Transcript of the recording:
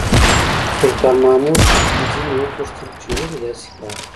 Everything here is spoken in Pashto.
سلطان محمود ځنې وپوښتل چې ولې داسې کا.